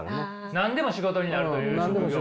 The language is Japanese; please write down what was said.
何でも仕事になるという職業。